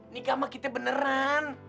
nikah sama kita beneran